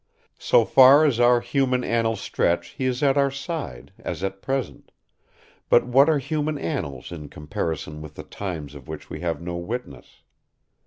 So far as our human annals stretch, he is at our side, as at present; but what are human annals in comparison with the times of which we have no witness?